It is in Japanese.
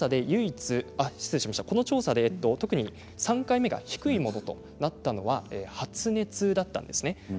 この調査で特に３回目が低いとなったのは発熱です。